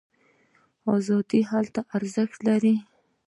ازادي هلته ارزښت لري.